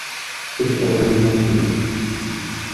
She also digitally sketches with this mouse.